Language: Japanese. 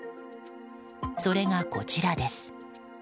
それがこちらです。